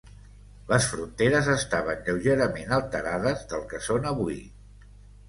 Les fronteres estaven lleugerament alterades del que són avui.